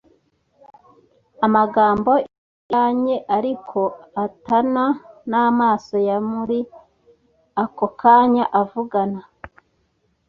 amagamo iyo yanye ariko o atana n’amaso ya muri ako kanya avugana